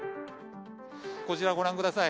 こちら、ご覧ください。